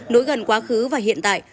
nối gần quá khứ và hiện tại